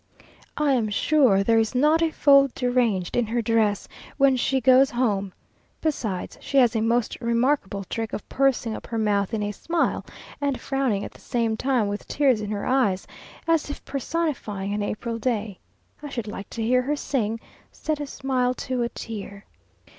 I am sure there is not a fold deranged in her dress when she goes home. Besides, she has a most remarkable trick of pursing up her mouth in a smile, and frowning at the same time with tears in her eyes, as if personifying an April day, I should like to hear her sing "Said a smile to a tear."